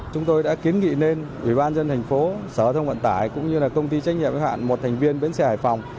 chúng tôi đã kiến nghị nên ủy ban dân thành phố sở giao thông vận tải cũng như công ty trách nhiệm hãng một thành viên bến xe hải phòng